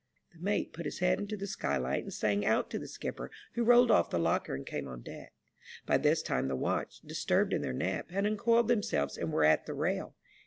" The mate put his head into the skylight and sang out to the skipper, who rolled off the locker and came on deck. By this time the watch, disturbed in their nap, had uncoiled themselves, and were at the rail.